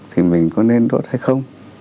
thì mình có nên đốt hay không